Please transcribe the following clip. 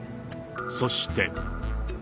そして。